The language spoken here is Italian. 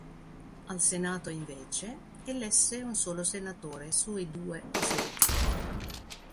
Al Senato, invece, elesse un solo senatore sui due uscenti.